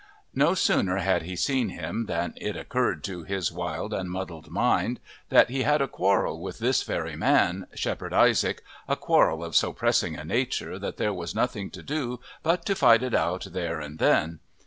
No sooner did he see him than it occurred to his wild and muddled mind that he had a quarrel with this very man, Shepherd Isaac, a quarrel of so pressing a nature that there was nothing to do but to fight it out there and then.